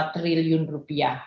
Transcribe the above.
tiga puluh lima triliun rupiah